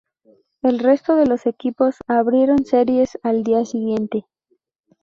El resto de los equipos abrieron series al día siguiente.